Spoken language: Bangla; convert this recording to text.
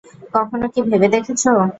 কখনো কি ভেবে দেখেছ?